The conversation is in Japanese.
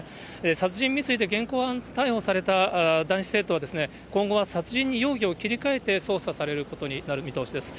殺人未遂で現行犯逮捕された男子生徒は、今後は殺人に容疑を切り替えて捜査されることになる見通しです。